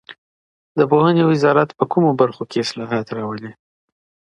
د پوهني وزارت په کومو برخو کي اصلاحات راولي؟